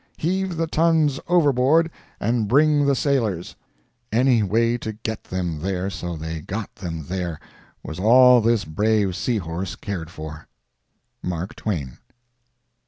Heave the tons overboard and bring the sailors." Any way to get them there so they got them there, was all this brave sea horse cared for. MARK TWAIN.